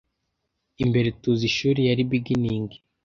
imbere tuzi ishuri yari begining